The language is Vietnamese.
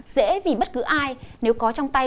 dễ vì bất cứ ai nếu có trong tay